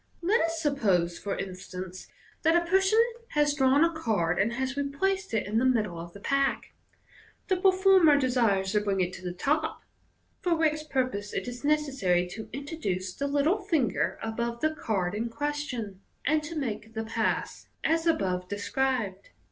Let us suppose, for instance, that a person has drawn a card, and has replaced it in the middle of the pack. The performer desires to bring it to the top, for which purpose it is necessary to introduce the little finger above the card in question, and to make the pass, as above Fig. 3. MODERN MAGIC. '5 described.